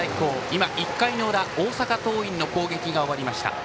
今、１回の裏、大阪桐蔭の攻撃が終わりました。